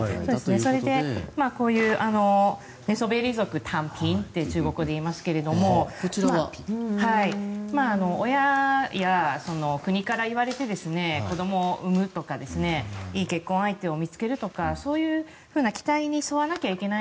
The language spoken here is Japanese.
それでこういう寝そべり族、タンピンって中国語で言いますが親や国から言われて子どもを産むとかいい結婚相手を見つけるとかそういうふうな期待に沿わなければいけない